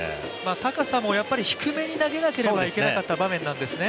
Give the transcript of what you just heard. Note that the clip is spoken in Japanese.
高さも低めに投げなければいけなかった場面なんですよね。